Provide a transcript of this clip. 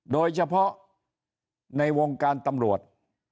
โดยเฉพาะในวงการตำรวจ